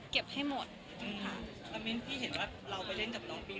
ให้หมดค่ะแล้วมิ้นพี่เห็นว่าเราไปเล่นกับน้องบี